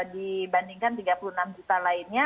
dibandingkan tiga puluh enam juta lainnya